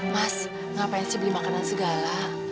mas ngapain sih beli makanan segala